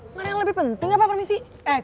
nggak ada yang lebih penting apa permisi